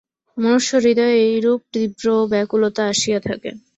মনুষ্যহৃদয়ে এইরূপ তীব্র ব্যাকুলতা আসিয়া থাকে।